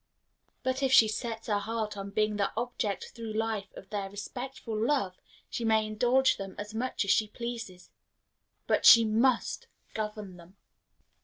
But if she sets her heart on being the object through life of their respectful love, she may indulge them as much as she pleases; but she must govern them.